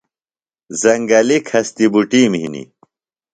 زنگلیۡ کھستِی بُٹِم ہِنِم۔